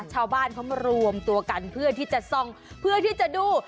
ชาวบ้านเขามารวมตัวกันเพื่อที่จะส่องเพื่อที่จะดู